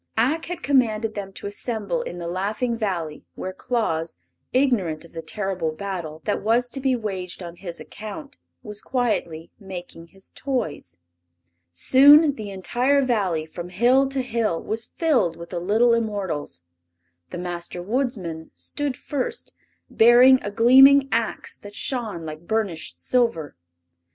Ak had commanded them to assemble in the Laughing Valley, where Claus, ignorant of the terrible battle that was to be waged on his account, was quietly making his toys. Soon the entire Valley, from hill to hill, was filled with the little immortals. The Master Woodsman stood first, bearing a gleaming ax that shone like burnished silver.